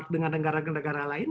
dengan negara negara lain